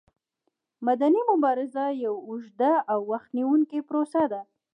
مدني مبارزه یوه اوږده او وخت نیوونکې پروسه ده.